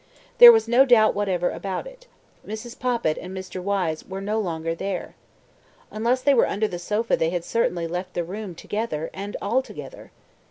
... There was no doubt whatever about it: Mrs. Poppit and Mr. Wyse were no longer there. Unless they were under the sofa they had certainly left the room together and altogether.